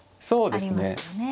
そうですね。